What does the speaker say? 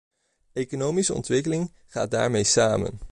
Economische ontwikkeling gaat daarmee samen.